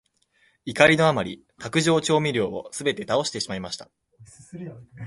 怒りのあまり、卓上調味料をすべて倒してしまいました。